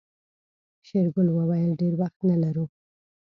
شېرګل وويل ډېر وخت نه لرو.